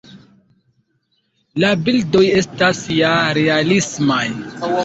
La bildoj estas ja realismaj.